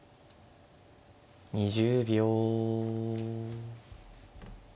２０秒。